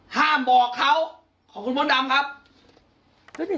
ห้ามบอกเขาขอบคุณมดดำครับ